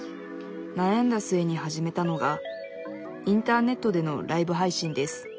なやんだ末に始めたのがインターネットでのライブ配信です